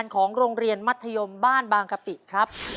ของโรงเรียนมัธยมบ้านบางกะปิครับ